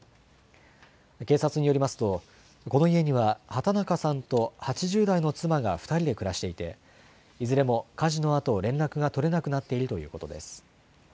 警察によりますと、この家には畑中さんと８０代の妻が２人で暮らしていて、いずれも火事のあと連絡が取れなくなっているということです。